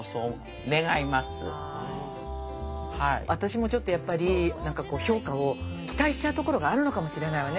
私は私もちょっとやっぱりなんかこう評価を期待しちゃうところがあるのかもしれないわね。